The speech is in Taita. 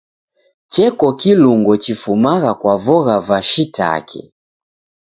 Cheko kilungo chifumagha kwa vogha va shiitake.